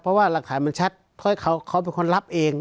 เพราะว่าหลักฐานมันชัดเพราะเขาเป็นคนรับเอง